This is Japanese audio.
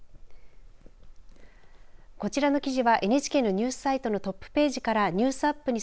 こちらの記事はＮＨＫのニュースサイトのトップページからニュースアップに